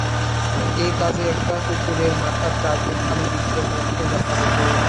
এই কাজে একটা কুকুরের মাথা চারটে খালি বৃত্তের মধ্যে দেখা যেত।